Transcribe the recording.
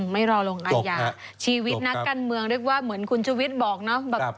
ไม่รอลงอาญาชีวิตนักการเมืองเรียกว่าเหมือนคุณชุวิตบอกเนาะ